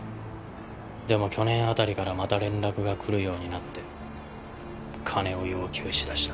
でも去年辺りからまた連絡が来るようになって金を要求し出した。